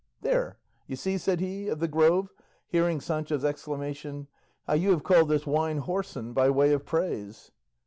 "There, you see," said he of the Grove, hearing Sancho's exclamation, "how you have called this wine whoreson by way of praise."